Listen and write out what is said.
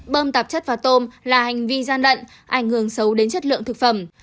bơm tạp chất vào tôm là hành vi gian đận ảnh hưởng xấu đến chất lượng thực phẩm